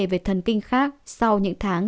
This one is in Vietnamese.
về thần kinh khác sau những tháng